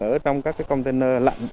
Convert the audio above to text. ở trong các cái container lạnh